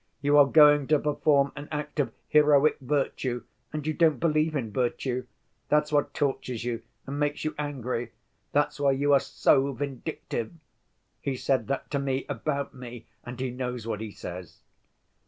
'You are going to perform an act of heroic virtue, and you don't believe in virtue; that's what tortures you and makes you angry, that's why you are so vindictive.' He said that to me about me and he knows what he says."